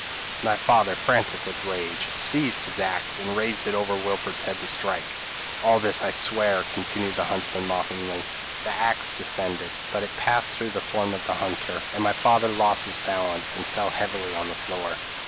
p> "My father, frantic with rage, seized his axe, and raised it over Wilfred's head to strike. "'All this I swear,' continued the huntsman, mockingly. "The axe descended; but it passed through the form of the hunter, and my father lost his balance, and tell heavily on the floor.